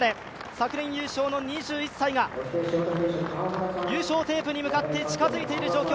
昨年優勝の２１歳が優勝テープに向かって近づいている状況。